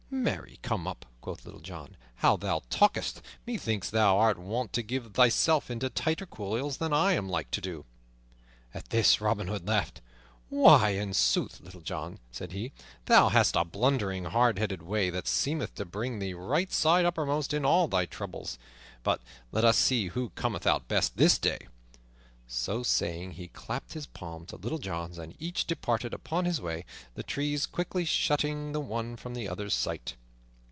"Marry, come up," quoth Little John, "how thou talkest! Methinks thou art wont to get thyself into tighter coils than I am like to do." At this Robin Hood laughed. "Why, in sooth, Little John," said he, "thou hast a blundering hard headed way that seemeth to bring thee right side uppermost in all thy troubles; but let us see who cometh out best this day." So saying, he clapped his palm to Little John's and each departed upon his way, the trees quickly shutting the one from the other's sight.